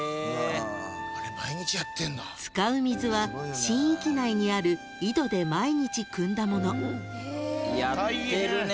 ［使う水は神域内にある井戸で毎日くんだもの］